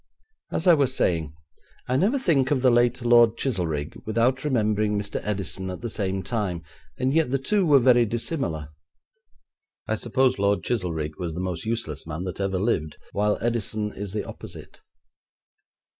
As I was saying, I never think of the late Lord Chizelrigg without remembering Mr. Edison at the same time, and yet the two were very dissimilar. I suppose Lord Chizelrigg was the most useless man that ever lived, while Edison is the opposite.